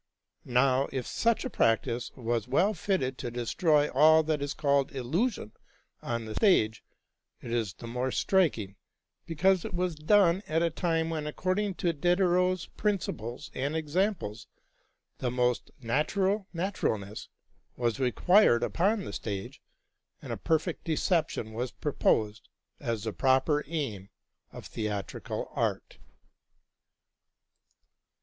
Now, if such a practice was well fitted to destroy all that is called illusion on the stage, it is the more striking, because it was done at a time when, according to Diderot's principles and examples, the most natural natural ness was required upon the stage, and a perfect deception was proposed as the proper aim of theatrical art.